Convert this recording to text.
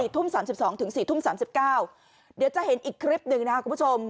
ทุ่ม๓๒ถึง๔ทุ่ม๓๙เดี๋ยวจะเห็นอีกคลิปหนึ่งนะครับคุณผู้ชม